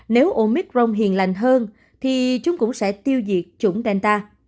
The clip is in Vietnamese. nếu omicron hiền lành hơn thì chúng cũng sẽ tiêu diệt chủng delta